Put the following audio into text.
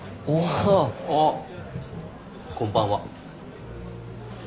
あっこんばんは。